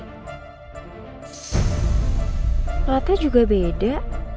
kelatnya juga beda